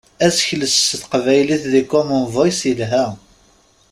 Asekles s teqbaylit di Common Voice yelha.